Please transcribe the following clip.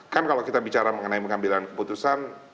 kan kalau kita bicara mengenai pengambilan keputusan